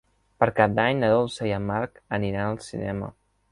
Per Cap d'Any na Dolça i en Marc aniran al cinema.